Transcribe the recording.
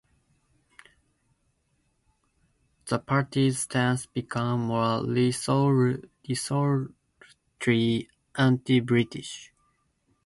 The party's stance became more resolutely anti-British.